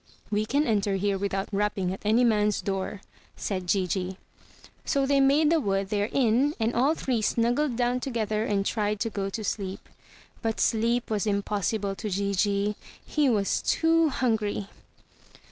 "We can enter here without rapping at any man's door," said Gigi. So they made the wood their inn and all three snuggled down together and tried to go to sleep. But sleep was impossible to Gigi. He was too hungry.